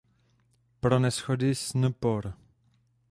Pro neshody s npor.